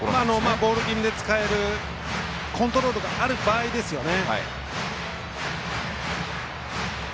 ボール気味で使えるコントロールがある場合ですよね。